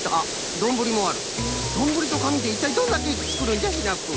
どんぶりとかみでいったいどんなケーキつくるんじゃシナプー。